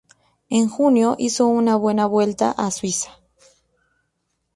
En junio, hizo una buena Vuelta a Suiza.